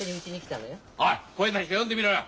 おい声に出して読んでみろよ。